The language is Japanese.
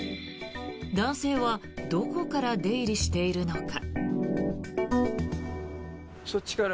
男性はどこから出入りしているのか。